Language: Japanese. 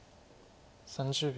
３０秒。